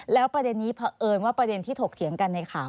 แล้วประเด็นนี้เพราะเอิญว่าประเด็นที่ถกเถียงกันในข่าว